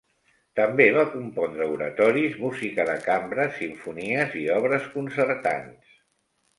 També va compondre oratoris, música de cambra, simfonies i obres concertants.